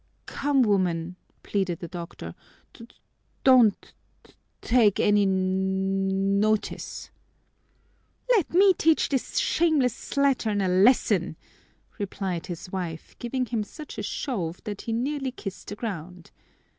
"Come, woman!" pleaded the doctor. "D don't t take any n notice!" "Let me teach this shameless slattern a lesson," replied his wife, giving him such a shove that he nearly kissed the ground.